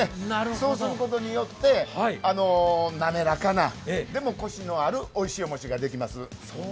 そうすることによって、滑らかな、でもコシのあるおいしいお餅ができます。